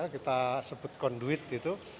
kita sebut conduit gitu